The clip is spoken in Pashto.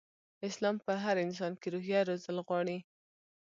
اسلام په هر انسان کې روحيه روزل غواړي.